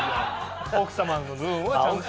奥さまの分はちゃんと。